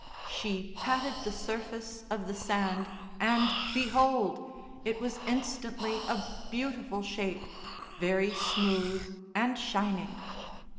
She patted the surface of the sand, and behold! it was instantly a beautiful shape, very smooth and shining.